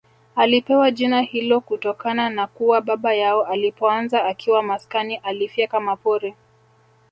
Alipewa jina hilo kutokana na kuwa baba yao alipoanza akiwa maskani alifyeka mapori